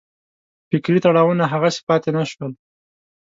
فکري تړاوونه هغسې پاتې نه شول.